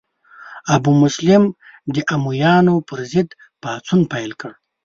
ابو مسلم د امویانو پر ضد پاڅون پیل کړ.